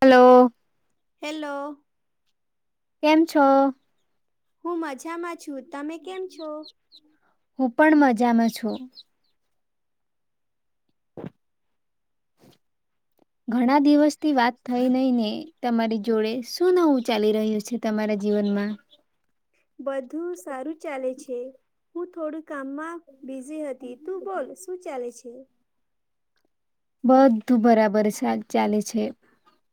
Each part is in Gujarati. હેલો. હેલો. કેમ છો? હું મજામાં છું. તમે કેમ છો? હું પણ મજામાં છું. ઘણા દિવસથી વાત થઈ નઈ ને તમારી જોડે શું નવું ચાલી રહ્યું છે તમારા જીવનમાં? બધું સારું ચાલે છે. હું થોડુંક કામમાં બીઝી હતી. તું બોલ શું ચાલે છે? બધું બરાબર શાક ચાલે છે.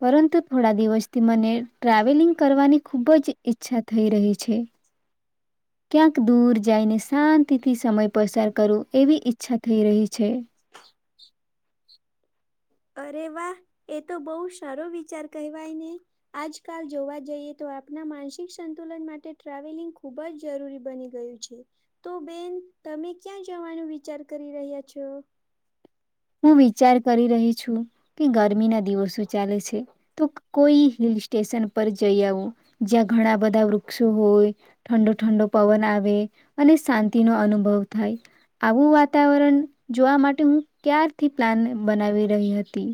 પરંતુ, થોડા દિવસથી મને ટ્રાવેલિંગ કરવાની ખૂબ જ ઈચ્છા થઈ રહી છે. ક્યાંક દૂર જાઈને શાંતિથી સમય પસાર કરૂ એવી ઈચ્છા થઈ રહી છે. અરે વાહ, એ તો બોવ સારો વિચાર કહેવાય ને. આજકાલ જોવા જઈએ તો આપના માનસિક સંતુલન માટે ટ્રાવેલિંગ ખુબ જ જરૂરી બની ગયું છે. તો બેન તમે ક્યાં જવાનું વિચાર કરી રહ્યા છો? હું વિચાર કરી રહી છું કે ગરમીના દિવસો ચાલે છે, તો કોઈ હિલ સ્ટેશન પર જઈ આવું. જ્યાં ઘણા બધા વૃક્ષો હોય ઠંડો ઠંડો પવન આવે અને શાંતિનો અનુભવ થાય આવું વાતાવરણ જોવા માટે હું ક્યારથી પ્લાન બનાવી રહી હતી.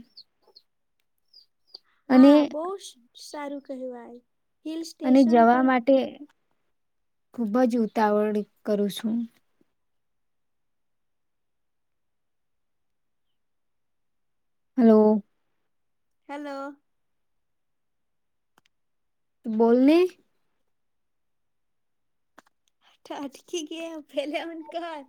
અને હા, બોવ સ સારું કહેવાય. હિલ અને સ્ટેશન પર જવા માટે ખુબ જ ઉતાવળ કરું છું. હલો. હેલો. બોલને હઠ હટકી ગ ફલામન ઘર